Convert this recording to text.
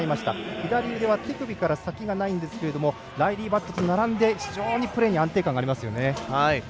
左腕は手首から先がないんですけどライリー・バットと並んで非常にプレーに安定感がありますよね。